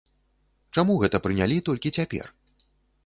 Чаму гэта прынялі толькі цяпер?